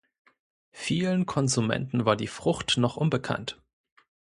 Vielen Konsumenten war die Frucht noch unbekannt.